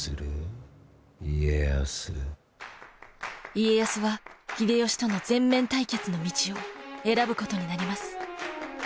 家康は秀吉との全面対決の道を選ぶことになります。